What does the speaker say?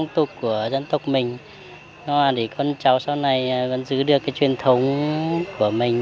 phong tục của dân tộc mình nó là để con cháu sau này vẫn giữ được cái truyền thống của mình